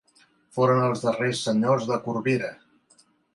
Foren els darrers senyors de Corbera.